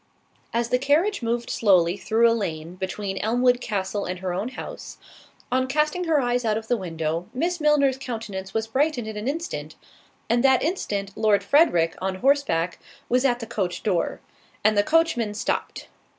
As the carriage moved slowly through a lane between Elmwood Castle and her own house, on casting her eyes out of the window, Miss Milner's countenance was brightened in an instant, and that instant Lord Frederick, on horse back, was at the coach door, and the coachman stopped.